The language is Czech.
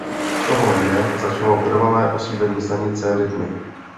Toho dne začalo trvalé osídlení stanice lidmi.